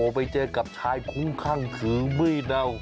ไปเจอกับชายคุ้มข่างขือไม่เน่า